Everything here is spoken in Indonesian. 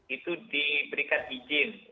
itu diberikan izin